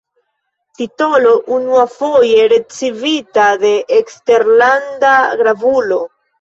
Titolo unuafoje ricevita de eksterlanda gravulo.